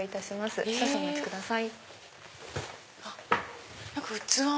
お座りください。